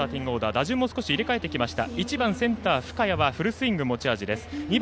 打順も少し入れ替えてきました。